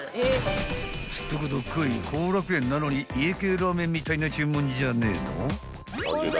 ［すっとこどっこい幸楽苑なのに家系ラーメンみたいな注文じゃねえの？］